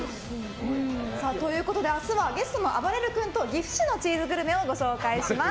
ということで明日はゲストのあばれる君と岐阜市のチーズグルメをご紹介します。